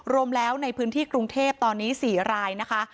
รวมแล้วในพื้นที่กรุงเทพตอนนี้๔รายนะคะ